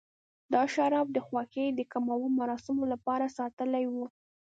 دا شراب د خوښۍ د کومو مراسمو لپاره ساتلي و.